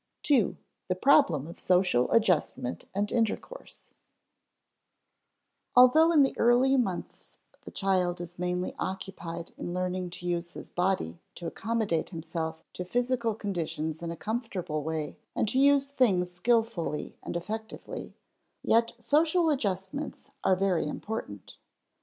[Sidenote: 2. The problem of social adjustment and intercourse] Although in the early months the child is mainly occupied in learning to use his body to accommodate himself to physical conditions in a comfortable way and to use things skillfully and effectively, yet social adjustments are very important.